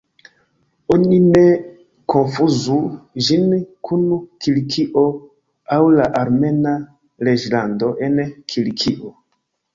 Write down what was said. Oni ne konfuzu ĝin kun Kilikio aŭ la Armena reĝlando en Kilikio.